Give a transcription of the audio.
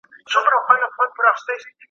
که انلاین لارښوونه وي نو درس نه ټکنی کیږي.